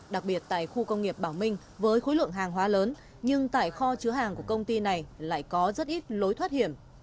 đặc biệt tại khu công nghiệp bảo minh với khối lượng hàng hóa lớn nhưng tại kho chứa hàng của công ty này lại có rất ít lối thoát hiểm